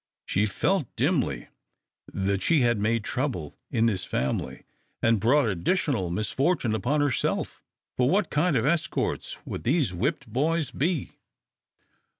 She felt dimly that she had made trouble in this family, and brought additional misfortune upon herself, for what kind of escorts would these whipped boys be?